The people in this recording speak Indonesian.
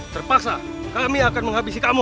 terpaksa kami akan menghabisi kamu